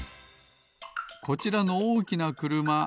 こちらのおおきなくるま。